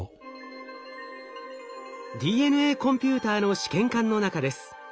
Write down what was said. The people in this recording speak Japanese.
ＤＮＡコンピューターの試験管の中です。